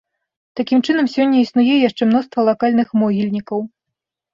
Такім чынам, сёння існуе яшчэ мноства лакальных могільнікаў.